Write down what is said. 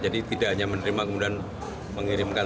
jadi tidak hanya menerima kemudian mengirimkan